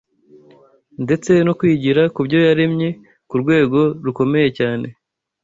ndetse no kwigira kubyo yaremye ku rwego rukomeye cyane